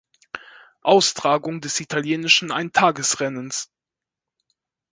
Austragung des italienischen Eintagesrennens.